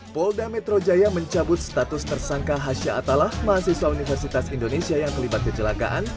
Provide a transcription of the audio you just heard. polda metro jaya mencabut status tersangka hasha atalah mahasiswa universitas indonesia yang terlibat kecelakaan